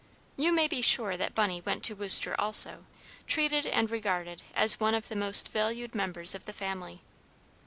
You may be sure that Bunny went to Worcester also, treated and regarded as one of the most valued members of the family.